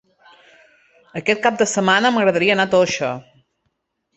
Aquest cap de setmana m'agradaria anar a Toixa.